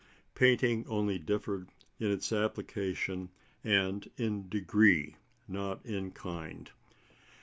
Painting only differed in its application, and in degree, not in kind.